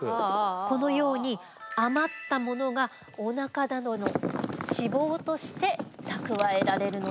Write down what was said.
このように余ったものがお腹などの脂肪として蓄えられるのでございます。